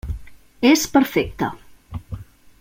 És perfecta.